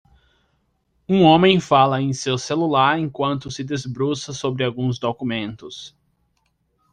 Um homem fala em seu celular enquanto se debruça sobre alguns documentos.